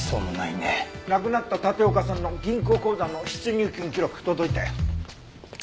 亡くなった立岡さんの銀行口座の出入金記録届いたよ。